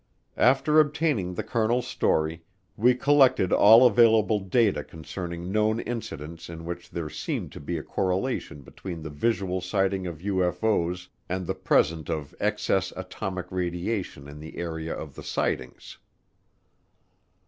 After obtaining the colonel's story, we collected all available data concerning known incidents in which there seemed to be a correlation between the visual sighting of UFO's and the presence of excess atomic radiation in the area of the sightings.